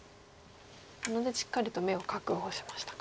なのでしっかり眼を確保しましたか。